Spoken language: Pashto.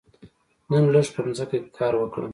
نن لږ په ځمکه کې کار وکړم.